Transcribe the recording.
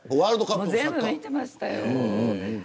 全部見てましたよ。